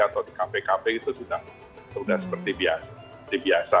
atau di kafe kafe itu sudah seperti biasa